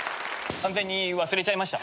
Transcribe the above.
完全に忘れちゃいました。